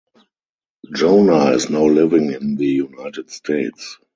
Jona is now living in the United States.